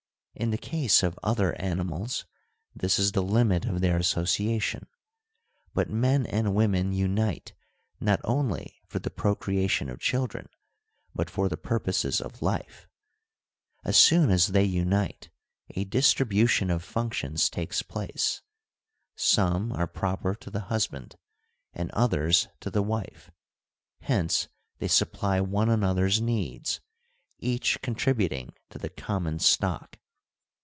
In the case of other animals, this is the limit of their association ; but men and * Ethics, viii. 8. f Ibid, viii. 12. ARISTOTLE 207 women unite not only for the procreation of children but for the purposes of life. As soon as they unite, a distribution of functions takes place. Some are pro per to the husband and others to the wife ; hence they supply one another's needs, each contributing to the common stock.